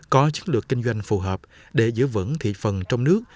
có chất lượng kinh doanh phù hợp để giữ vững thị phần trong nước